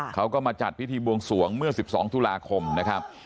เขาก็มาจัดพิธีบวงสวงเมื่อ๑๒ตุลาคมนะครับ